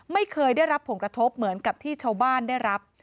ไม่เคยได้รับผลกระทบเหมือนกับที่ชาวบ้านได้รับ